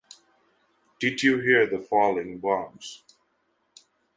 Did you hear the falling bombs?